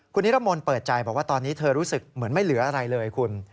คุณนิรมนต์เปิดใจบอกว่าตอนนี้เธอรู้สึกเหมือนไม่เหลืออะไรเลยคุณ